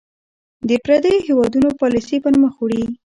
د پرديـو هېـوادونـو پالسـي پـر مــخ وړي .